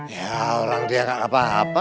ya orang dia nggak apa apa